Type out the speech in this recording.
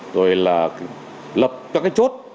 rồi là lập các chốt